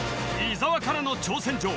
伊沢からの挑戦状